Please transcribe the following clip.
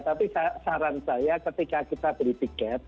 tapi saran saya ketika kita beli tiket